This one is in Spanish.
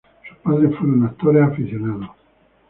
Sus padres fueron actores aficionados.